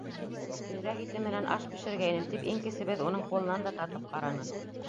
Өйрәк ите менән аш бешергәйнем. — тип иң кесебеҙ уның ҡулынан да тартып ҡараны.